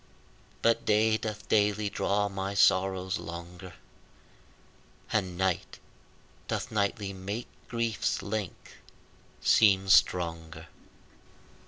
But day doth daily draw my sorrows longer, And night doth nightly make grief's length seem stronger.